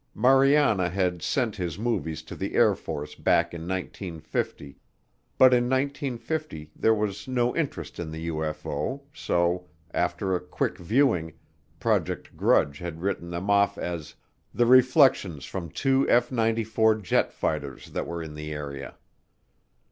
Mariana had sent his movies to the Air Force back in 1950, but in 1950 there was no interest in the UFO so, after a quick viewing, Project Grudge had written them off as "the reflections from two F 94 jet fighters that were in the area."